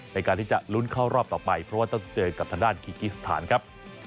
ในการที่จะลุ้นเข้ารอบต่อไปเพราะว่าต้องเจอกับทางด้านคีกิสถานครับ